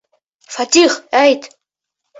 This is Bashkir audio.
Фәтих, әйт.